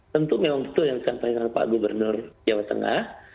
tentu memang itu yang dikatakan pak gubernur jawa tengah